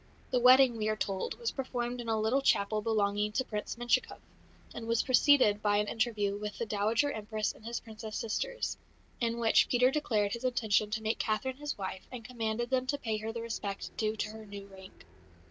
The wedding, we are told, was performed in a little chapel belonging to Prince Menshikoff, and was preceded by an interview with the Dowager Empress and his Princess sisters, in which Peter declared his intention to make Catherine his wife and commanded them to pay her the respect due to her new rank.